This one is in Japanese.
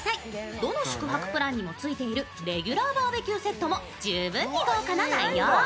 どの宿泊プランにもついているレギュラーバーベキューセットも十分に豪華な内容。